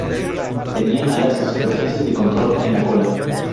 Tenía alas y superficies de control en la cola.